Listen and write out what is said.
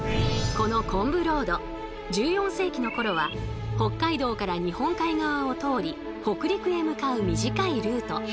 この「昆布ロード」１４世紀のころは北海道から日本海側を通り北陸へ向かう短いルート。